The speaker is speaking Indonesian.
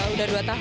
udah dua tahun